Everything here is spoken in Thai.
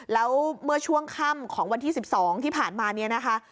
แล้วเมื่อช่วงค่ำของวันที่๑๒ที่ผ่านมาเนี่ยนะคะ